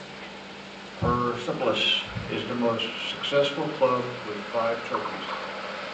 Perspolis is the most successful club with five trophies.